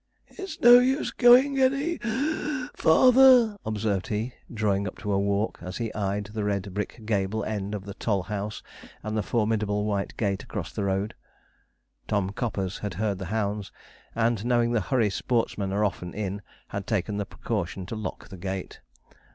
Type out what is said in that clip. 'It's no use going any (wheeze) farther,' observed he, drawing up into a walk, as he eyed the red brick gable end of the toll house, and the formidable white gate across the road. Tom Coppers had heard the hounds, and, knowing the hurry sportsmen are often in, had taken the precaution to lock the gate.